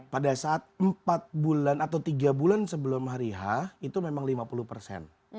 pada saat empat bulan atau tiga bulan sebelum hari h itu memang lima puluh persen